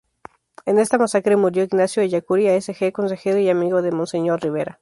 En esta masacre murió, Ignacio Ellacuría, S. J., consejero y amigo de monseñor Rivera.